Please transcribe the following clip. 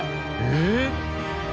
えっ！？